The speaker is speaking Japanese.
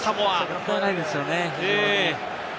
もったいないですよね、非常に。